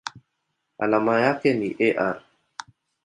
Alama yake ni Ar.